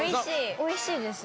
おいしい？